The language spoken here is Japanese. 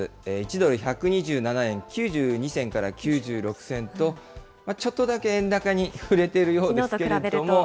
１ドル１２７円９２銭から９６銭と、ちょっとだけ円高に振れているようですけれども。